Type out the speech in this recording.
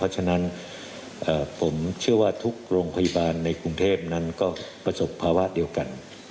ฉะนั้นผมเชื่อว่าทุกโรงพยาบาลในกรุงเทพนั้นก็ประสบภาวะเดียวกัน